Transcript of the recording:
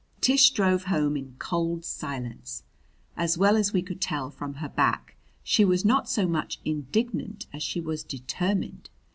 Tish drove home in cold silence. As well as we could tell from her back, she was not so much indignant as she was determined.